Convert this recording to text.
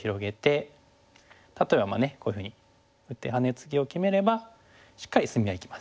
例えばまあねこういうふうに打ってハネツギを決めればしっかり隅は生きます。